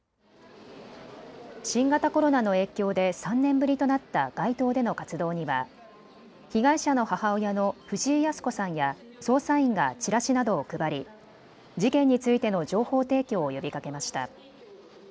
新型コロナの影響で３年ぶりとなった街頭での活動には被害者の母親の藤井康子さんや捜査員がチラシなどを配り事件についての情報提供を呼びかけました。